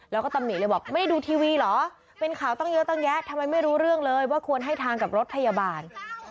แล้วก็ตำหนิเลยบอกไม่ได้ดูทีวีเหรอเป็นข่าวตั้งเยอะตั้งแยะทำไมไม่รู้เรื่องเลยว่าควรให้ทางกับรถพยาบาล